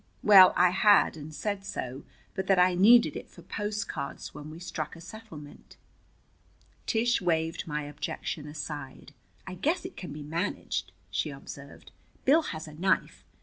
Well, I had, and said so, but that I needed it for postcards when we struck a settlement. Tish waved my objection aside. "I guess it can be managed," she observed. "Bill has a knife.